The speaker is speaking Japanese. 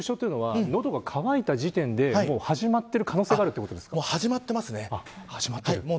熱中症というのは喉が渇いた時点で始まっているもう始まってますね。